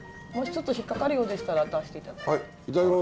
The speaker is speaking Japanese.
もしちょっと引っ掛かるようでしたら出して頂いて。